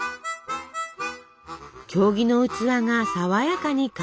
経木の器が爽やかに香るバニラ。